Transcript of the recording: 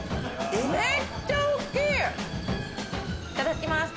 いただきます。